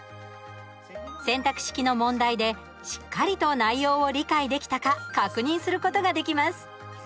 選択式の問題でしっかりと内容を理解できたか確認することができます。